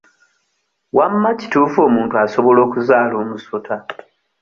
Wamma kituufu omuntu asobola okuzaala omusota?